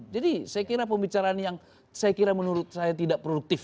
jadi saya kira pembicaraan ini yang saya kira menurut saya tidak produktif